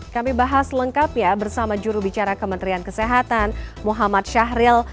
kami bahas lengkapnya bersama jurubicara kementerian kesehatan muhammad syahril